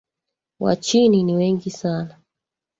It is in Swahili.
Wachini ni wengi sana